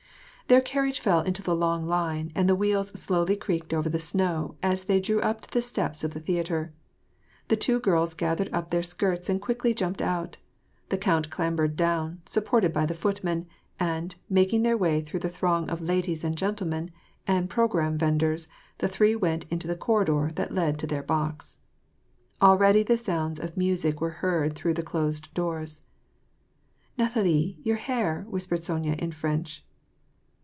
Their carriage fell into the long line, and the wheels slowly creaked over the snow as they drew up to the steps of the theatre. The two girls gathered up their skirts and quickly jumped out ; the count clambered down, supported by the foot men, and, making their way through the throng of ladies and gentlemen and programme venders, the three went into the cor ridor that led to their box. Already the sounds of music were heard through the closed doors. "Nathalie, your hair," whispered Sonya in French.